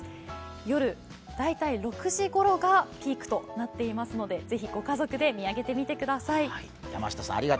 夜、大体６時ごろがピークとなっていますのでぜひ御家族で見上げてみてください。